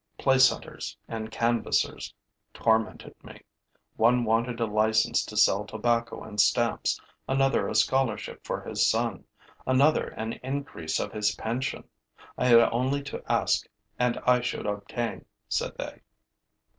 Place hunters and canvassers tormented me. One wanted a license to sell tobacco and stamps, another a scholarship for his son, another an increase of his pension. I had only to ask and I should obtain, said they.